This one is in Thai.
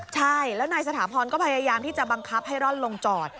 ใช่แล้วนายสถาพรก็พยายามที่จะบังคับให้ร่อนลงจอด